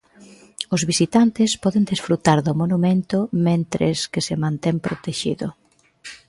Os visitantes poden desfrutar do monumento mentres que se mantén protexido.